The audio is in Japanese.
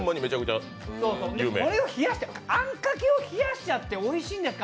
これを冷やして、あんかけを冷やしちゃっておいしいんですか？